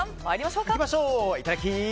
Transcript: いただき！